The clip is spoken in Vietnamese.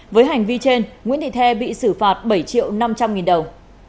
với hành vi trên nguyễn thị the bị xử phạt bảy triệu năm trăm linh nghìn đồng